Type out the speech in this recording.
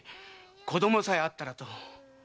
「子供さえあったら」と。